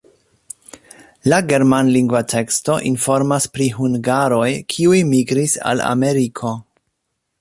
La germanlingva teksto informas pri hungaroj, kiuj migris al Ameriko.